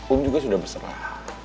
om juga sudah berserah